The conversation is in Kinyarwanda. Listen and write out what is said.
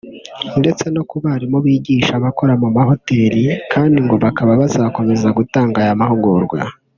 ndetse no ku barimu bigisha abokora mu mahoteri kandi ngo bakaba bazakomeza gutanga aya mahugurwa